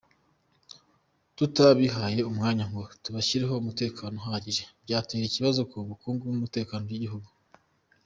Tutabihaye umwanya ngo dushyireho umutekano uhagije, byatera ikibazo ku bukungu n’umutekano by’igihugu”.